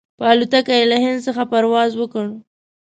په الوتکه کې یې له هند څخه پرواز وکړ.